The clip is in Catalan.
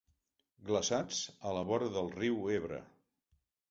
Glaçats a la vora del riu Ebre.